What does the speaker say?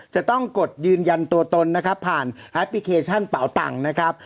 จะต้องกดยืนยันตัวตนนะครับผ่านแอปพลิเคชันเป่าตังค์นะครับ